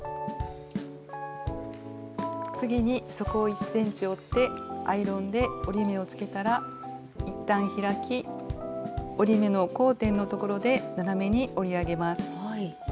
次に底を１ｃｍ折ってアイロンで折り目をつけたらいったん開き折り目の交点のところで斜めに折り上げます。